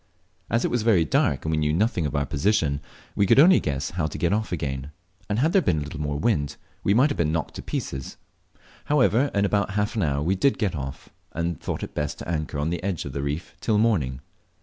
As it was very dark, and we knew nothing of our position, we could only guess how to get off again, and had there been a little more wind we might have been knocked to pieces. However, in about half an hour we did get off, and then thought it best to anchor on the edge of the reef till morning.